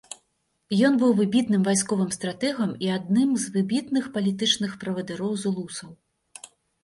Ён быў выбітным вайсковым стратэгам і адным з выбітных палітычных правадыроў зулусаў.